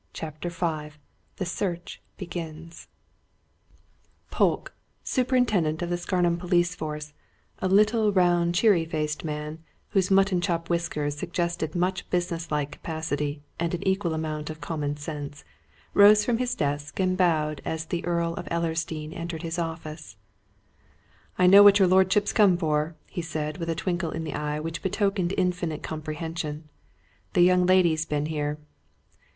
CHAPTER V THE SEARCH BEGINS Polke, superintendent of the Scarnham police force, a little, round, cheery faced man, whose mutton chop whiskers suggested much business like capacity and an equal amount of common sense, rose from his desk and bowed as the Earl of Ellersdeane entered his office. "I know what your lordship's come for!" he said, with a twinkle of the eye which betokened infinite comprehension. "The young lady's been here."